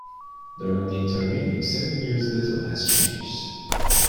During the intervening seven years little has changed.